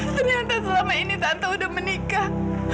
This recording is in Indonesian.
ternyata selama ini tanto udah menikah